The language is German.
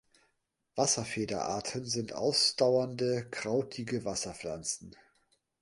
Wasserfeder-Arten sind ausdauernde, krautige Wasserpflanzen.